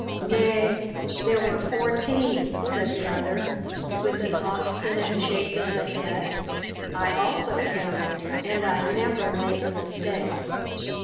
"Nay, there were fourteen," said the other, with an obstinate shake of the head. "I also counted, and I never make a mistake.